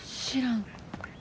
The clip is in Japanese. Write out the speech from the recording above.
知らん。